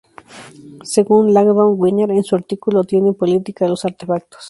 Según Langdon Winner en su artículo "Tienen política los artefactos?